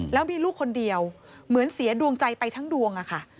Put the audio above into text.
แล้วมีลูกคนเดียวเหมือนเสียดวงใจไปทั้งดวงอะค่ะ